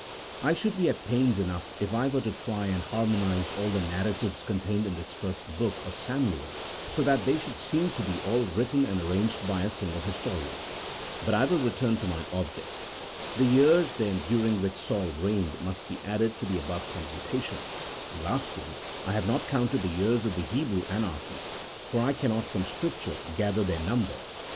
I should be at pains enough if I were to try and harmo nize all the narratives contained in this first book of Samuel so that they should seem to be all written and arranged by a single historian. But I return to my object. The years, then, during which Saul reigned must be added to the above computation ; and, lastly, I have not counted the years of the Hebrew anarchy, for I cannot from Scrip ture gather their number.